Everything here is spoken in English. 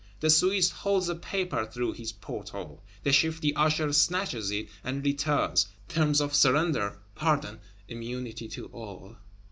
The Swiss holds a paper through his port hole; the shifty Usher snatches it and returns. Terms of surrender, Pardon, immunity to all!